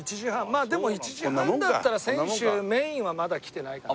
まあでも１時半だったら選手メインはまだ来てないかな。